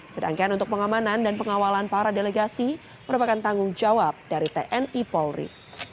sedangkan untuk pengamanan dan pengawalan para delegasi merupakan tanggung jawab dari tni polri